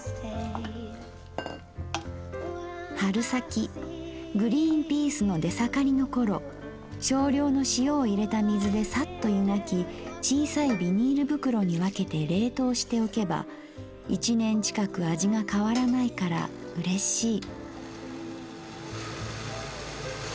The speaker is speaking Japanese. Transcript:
「春先グリーンピースの出盛りの頃少量の塩を入れた水でさっとゆがき小さいビニール袋にわけて冷凍しておけば一年近く味が変わらないから嬉しい」。